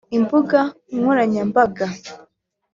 Imbuga nkoranyambaga